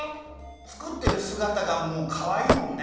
つくってるすがたがもうかわいいもんね。